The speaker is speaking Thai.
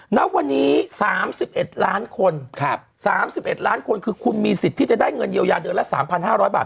ณวันนี้๓๑ล้านคน๓๑ล้านคนคือคุณมีสิทธิ์ที่จะได้เงินเยียวยาเดือนละ๓๕๐๐บาท